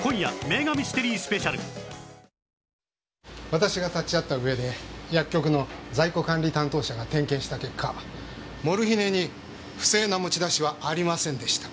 私が立ち会ったうえで薬局の在庫管理担当者が点検した結果モルヒネに不正な持ち出しはありませんでした。